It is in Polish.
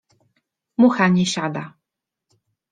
Mucha nie siada.